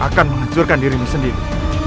akan menghancurkan dirimu sendiri